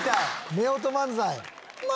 夫婦漫才。